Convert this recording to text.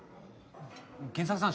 賢作さん